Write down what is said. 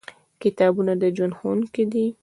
کتابونه د ژوند ښوونکي دي.